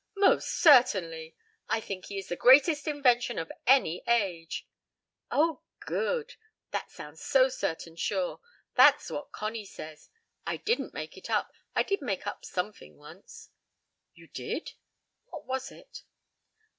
"Most certainly. I think he is the greatest invention of any age." "Oh, good! That sounds so certain sure. That's what Connie says. I didn't make it up. I did make up sumfing once." "You did? What was it?"